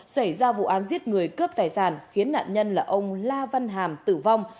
xảy ra vụ án giết người cướp tài sản khiến nạn nhân là ông la văn hàm tử vong